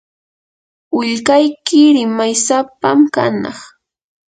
willkayki rimaysapam kanaq.